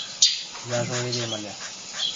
– Яжо эдем ыльы.